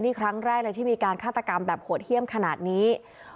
นี่ครั้งแรกเลยที่มีการฆาตกรรมแบบโหดเยี่ยมขนาดนี้